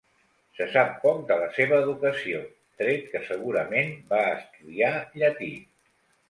Se sap poc de la seva educació, tret que segurament va estudiar llatí.